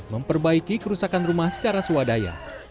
memperbaiki kerusakan rumah secara swadaya